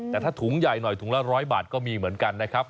แต่ถ้าถุงใหญ่หน่อยถุงละ๑๐๐บาทก็มีเหมือนกันนะครับ